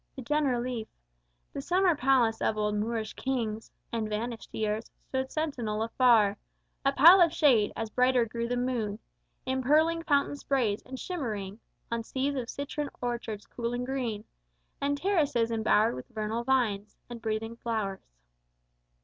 The Generaliffe, The summer palace of old Moorish kings In vanished years, stood sentinel afar, A pile of shade, as brighter grew the moon, Impearling fountain sprays, and shimmering On seas of citron orchards cool and green, And terraces embowered with vernal vines And breathing flowers.